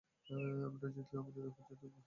আমরা জিতলে, আমাদের দাপট দেখবি, আর আমরা তা দেখাবোই।